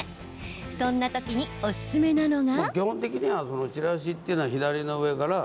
そんな時におすすめなのが。